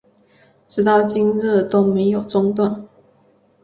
直到今日都没有中断